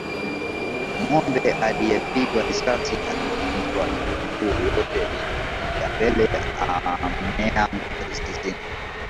Ng'ombe aliyepigwa risasi iliyomvunja miguu yote ya mbele ameanguka zizini.